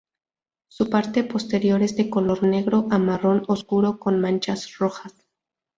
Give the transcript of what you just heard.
Su parte posterior es de color negro a marrón oscuro con manchas rojas.